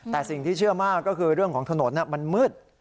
แต่สิ่งที่เชื่อมากก็คือเรื่องของถนนมันมืด